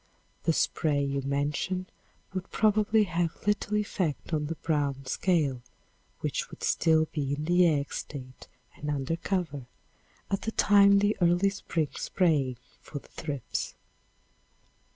The spray you mention would probably have little effect on the brown scale which would still be in the egg state and under cover, at the time the early spring spraying for the thrips.